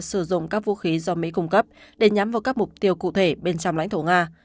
sử dụng các vũ khí do mỹ cung cấp để nhắm vào các mục tiêu cụ thể bên trong lãnh thổ nga